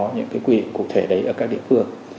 những cái quy định cụ thể đấy ở các địa phương